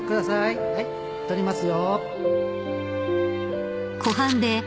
撮りますよ